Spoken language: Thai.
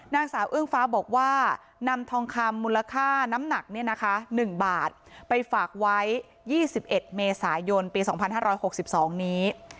นางสาวเอื้องฟ้าบอกว่านำทองคำมูลค่าน้ำหนักนี่นะคะหนึ่งบาทไปฝากไว้ยี่สิบเอ็ดเมษายนปีสองพันห้าร้อยหกสิบสองนี้